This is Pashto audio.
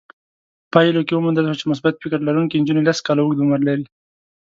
پايلو کې وموندل شوه چې مثبت فکر لرونکې نجونې لس کاله اوږد عمر لري.